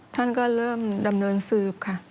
ท่านก็เริ่มดำเนินสืบค่ะ